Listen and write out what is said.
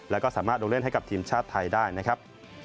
แล้วก็สามารถลงเล่นให้กับทีมชาติไทยได้นะครับ